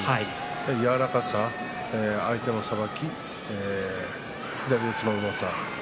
柔らかさ相手のさばき、左四つのうまさ